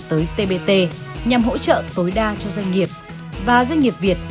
tới tbt nhằm hỗ trợ tối đa cho doanh nghiệp và doanh nghiệp việt